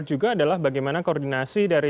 juga adalah bagaimana koordinasi dari